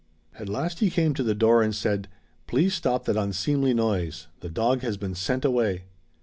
At last he came to the door and said 'Please stop that unseemly noise. The dog has been sent away.'